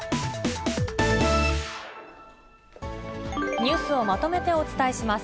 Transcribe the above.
ニュースをまとめてお伝えします。